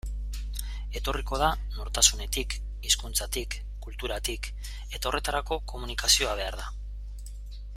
Etorriko da nortasunetik, hizkuntzatik, kulturatik, eta horretarako komunikazioa behar da.